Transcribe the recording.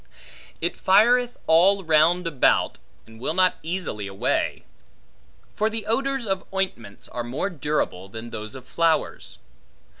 It fireth all round about, and will not easily away. For the odors of ointments are more durable, than those of flowers.